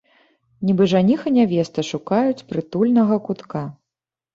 Нібы жаніх і нявеста, шукаюць прытульнага кутка.